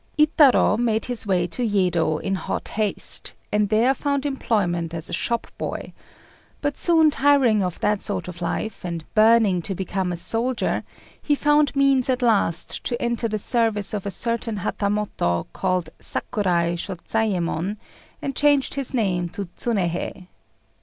Itarô made his way to Yedo in hot haste, and there found employment as a shop boy; but soon tiring of that sort of life, and burning to become a soldier, he found means at last to enter the service of a certain Hatamoto called Sakurai Shôzayémon, and changed his name to Tsunéhei.